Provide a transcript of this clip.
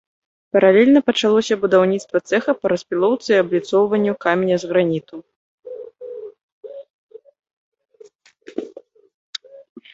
Паралельна пачалося будаўніцтва цэха па распілоўцы і абліцоўванню каменя з граніту.